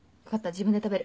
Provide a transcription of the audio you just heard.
自分で食べる。